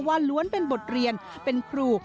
ล้วนเป็นบทเรียนเป็นครู